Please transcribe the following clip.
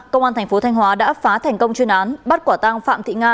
công an tp thanh hóa đã phá thành công chuyên án bắt quả tăng phạm thị nga